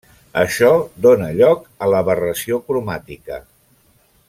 Això dóna lloc a l'aberració cromàtica.